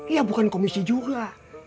ya bukan komisi juga